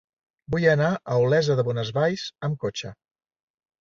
Vull anar a Olesa de Bonesvalls amb cotxe.